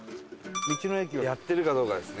道の駅やってるかどうかですね。